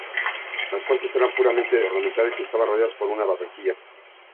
Las fuentes eran puramente ornamentales, y estaban rodeadas por una barandilla.